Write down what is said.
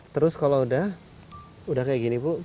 terus kalau udah udah kayak gini bu